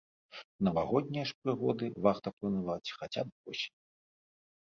Навагоднія ж прыгоды варта планаваць хаця б восенню.